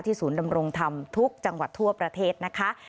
ศูนย์ดำรงธรรมทุกจังหวัดทั่วประเทศนะคะ